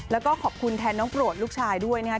แล้วก็ขอบคุณแทนน้องโปรดลูกชายด้วยนะครับ